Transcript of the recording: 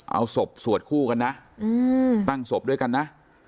เอาศพสวดคู่กันนะตั้งศพด้วยกันนะ